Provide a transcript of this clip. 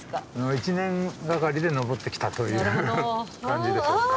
１年がかりで上ってきたという感じでしょうか。